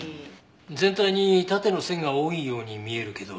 全体に縦の線が多いように見えるけど。